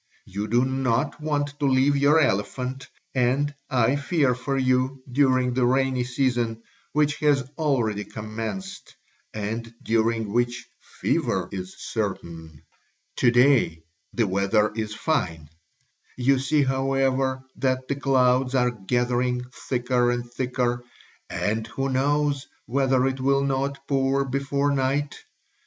You do not want to leave your elephant, and I fear for you during the rainy season, which has already commenced and during which fever is certain. To day the weather is fine; you see, however, that the clouds are gathering thicker and thicker and who knows whether it will not pour before night?